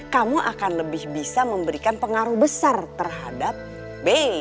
kamu akan lebih bisa memberikan pengaruh besar terhadap b